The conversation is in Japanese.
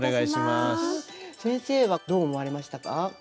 先生はどう思われましたか？